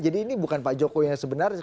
jadi ini bukan pak jokowi yang sebenarnya